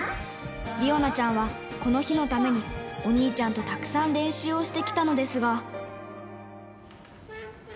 理央奈ちゃんは、この日のためにお兄ちゃんとたくさん練習をしてきたのですが。